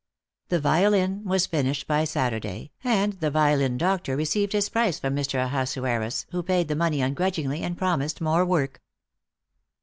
The violin was finished by Saturday, and the violin doctor received his price from Mr. Ahasuerus, who paid the money ungrudgingly and promised more work.